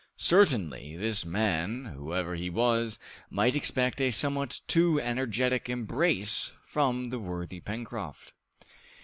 Certainly, this man, whoever he was, might expect a somewhat too energetic embrace from the worthy Pencroft!